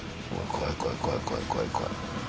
怖い怖い怖い怖い怖い。